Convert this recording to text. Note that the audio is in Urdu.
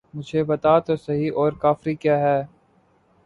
مجھے بتا تو سہی اور کافری کیا ہے!